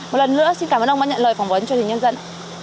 một lần nữa xin cảm ơn ông đã nhận lời phỏng vấn truyền hình nhân dân